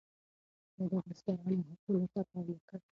ده د بزګرانو حقونو ته پام وکړ.